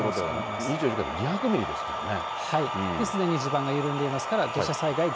多い所では２４時間に２００ミリですからね。